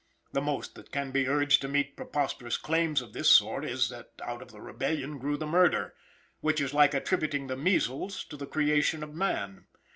The most that can be urged to meet preposterous claims of this sort is, that out of the rebellion grew the murder; which is like attributing the measles to the creation of man.